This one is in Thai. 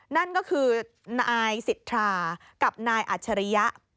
นั่นก็คือนายสิทธากับนายอัจฉริยะ